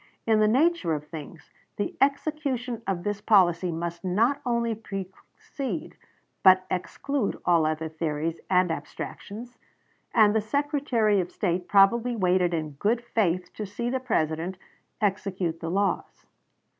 In the nature of things the execution of this policy must not only precede but exclude all other theories and abstractions, and the Secretary of State probably waited in good faith to see the President "execute the laws."